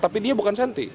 tapi dia bukan santi